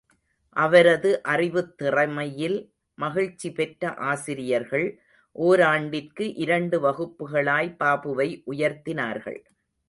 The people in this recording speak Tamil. அவரது அறிவுத் திறமையிலே மகிழ்ச்சி பெற்ற ஆசிரியர்கள், ஓராண்டிற்கு இரண்டு வகுப்புகளாய் பாபுவை உயர்த்தினார்கள்.